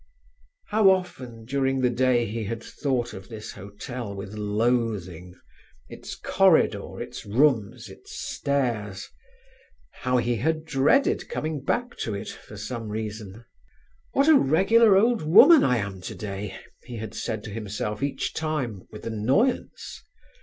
How often during the day he had thought of this hotel with loathing—its corridor, its rooms, its stairs. How he had dreaded coming back to it, for some reason. "What a regular old woman I am today," he had said to himself each time, with annoyance.